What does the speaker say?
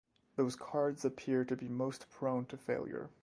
Those cards appear to be most prone to failure.